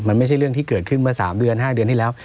มันไม่ใช่เรื่องที่เกิดขึ้นเมื่อ๓เดือน๕เดือนที่แล้ว